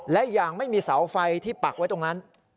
และอย่างไม่มีเสาไฟที่ปักไว้ตรงนั้น